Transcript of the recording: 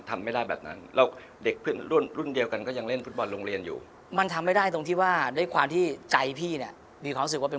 เพราะฉะนั้นหลายคนก็ทำไม่ได้แบบนั้น